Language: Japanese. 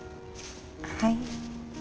はい？